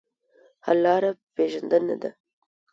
حل لاره پېژندنه ده.